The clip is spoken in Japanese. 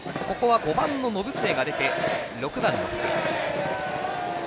５番の延末が出て６番の福井。